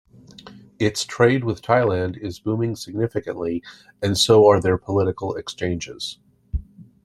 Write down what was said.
Its trade with Thailand is booming significantly and so are their political exchanges.